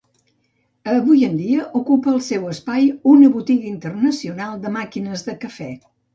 Avui en dia, ocupa el seu espai, una botiga internacional de màquines de cafè.